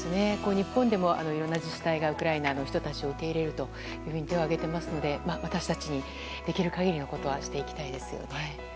日本でも、いろんな自治体がウクライナの人たちを受け入れると手を挙げてますので私たちにできる限りのことはしていきたいですよね。